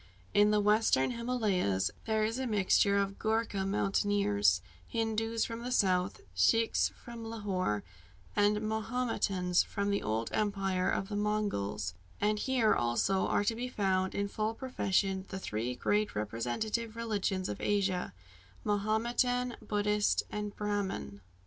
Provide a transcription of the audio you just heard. In the western Himalayas there is an admixture of Ghoorka mountaineers, Hindoos from the south, Sikhs from Lahore, and Mahometans from the old empire of the Moguls; and here, also, are to be found, in full profession, the three great representative religions of Asia Mahometan, Buddhist, and Brahmin.